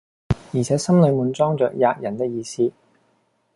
而且心裏滿裝着喫人的意思。